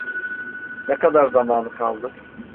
Ne kadar zamanı kaldı?